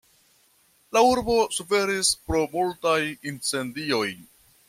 La urbo suferis pro multaj incendioj.